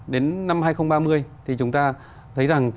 đến năm hai nghìn ba mươi thì chúng ta thấy rằng